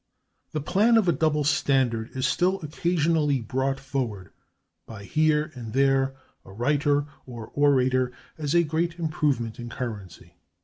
The plan of a double standard is still occasionally brought forward by here and there a writer or orator as a great improvement in currency.